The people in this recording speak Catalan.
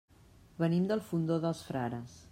Venim del Fondó dels Frares.